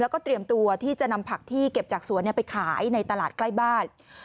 แล้วก็เตรียมตัวที่จะนำผักที่เก็บจากสวนไปขายในตลาดใกล้บ้าน